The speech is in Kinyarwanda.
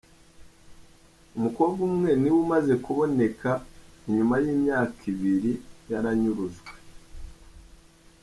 Umukobwa umwe ni we amaze kuboneka inyuma y’imyaka ibiri yaranyurujwe.